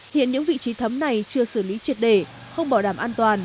hiện những vị trí thấm này chưa xử lý triệt đề không bỏ đảm an toàn